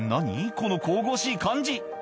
この神々しい感じ